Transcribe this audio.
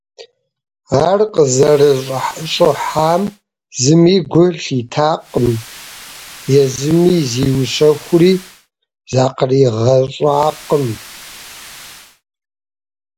Ар къызэрыщӏыхьам зыми гу лъитакъым, езыми зиущэхури закъригъэщӏакъым.